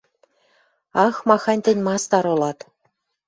Ах, махань тӹнь мастар ылат: